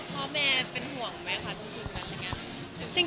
พ่อแม่เป็นห่วงไหมคะ